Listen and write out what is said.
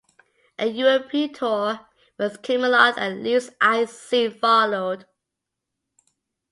A European tour with Kamelot and Leaves' Eyes soon followed.